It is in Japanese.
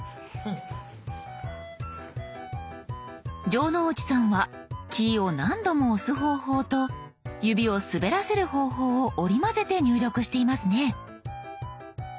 城之内さんはキーを何度も押す方法と指を滑らせる方法を織り交ぜて入力していますね。